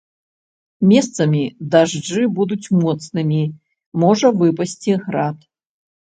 Месцамі дажджы будуць моцнымі, можа выпасці град.